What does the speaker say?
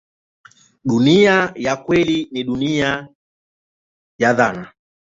Dunia ya kweli ni dunia ya dhana.